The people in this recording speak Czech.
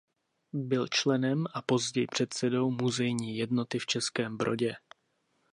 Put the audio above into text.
Byl členem a později předsedou Muzejní jednoty v Českém Brodě.